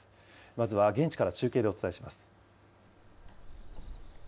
まずは現地から中継でお伝えします。